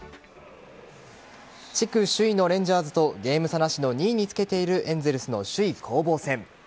地区首位のレンジャーズとゲーム差なしの２位につけているエンゼルスの首位攻防戦。